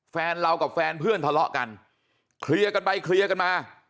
แฟนเรากับแฟนเพื่อนทะเลาะกันเคลียร์กันไปเคลียร์กันมา